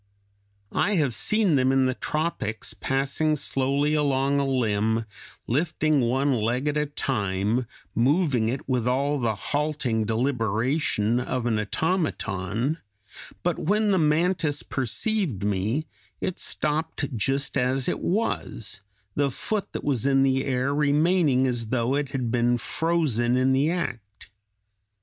I have seen them in the tropics passing slowly along a limb, lifting one leg at a time, moving it with all the halting deliberation of an automaton; but when the mantis perceived me, it stopped just as it was, the foot that was in the air remaining as though it had been frozen in the act.